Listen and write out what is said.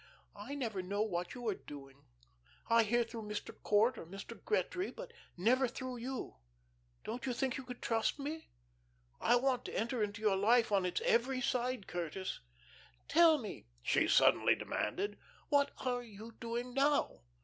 "I never know what you are doing. I hear through Mr. Court or Mr. Gretry, but never through you. Don't you think you could trust me? I want to enter into your life on its every side, Curtis. Tell me," she suddenly demanded, "what are you doing now?"